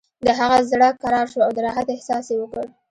د هغه زړه کرار شو او د راحت احساس یې وکړ